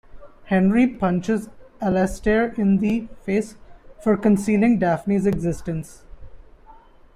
Henry punches Alastair in the face for concealing Daphne's existence.